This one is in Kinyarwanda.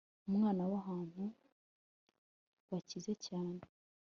Umwana wahantu bakize cyane